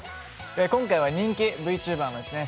今回は人気ＶＴｕｂｅｒのですね